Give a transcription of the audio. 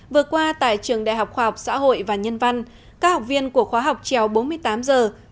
vừa qua tại trường đại học khoa học xã hội và nhân văn các học viên của khóa học trèo bốn mươi tám giờ